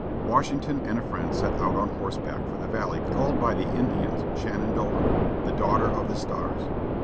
Washington and a friend set out on horseback for the valley called by the Indians Shenandoah, "the daughter of the stars."